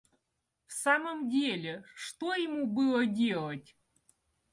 В самом деле, что ему было делать?